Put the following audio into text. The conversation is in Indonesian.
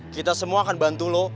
kita semua akan bantu lo